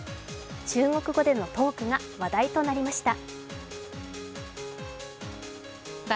中国語でのトークが話題となりました。